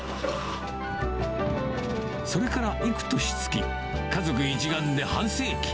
それからいくとしつき、家族一丸で半世紀。